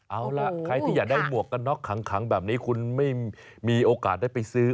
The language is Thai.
เอาล่ะใครที่อยากได้หมวกกันน็อกขังแบบนี้คุณไม่มีโอกาสได้ไปซื้อ